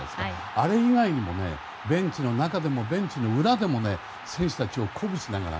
あれ以外にもベンチの中でも裏でも選手たちを鼓舞しながら。